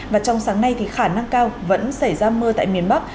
và trong sáng nay khả năng cao vẫn xảy ra mưa tại miền bắc